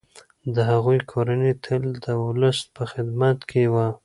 د هغوی کورنۍ تل د ولس په خدمت کي وه.